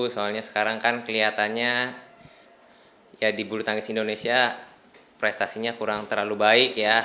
soalnya sekarang kan kelihatannya ya di bulu tangkis indonesia prestasinya kurang terlalu baik ya